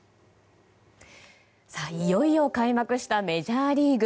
いよいよ開幕したメジャーリーグ。